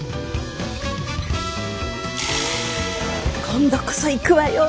今度こそ行くわよ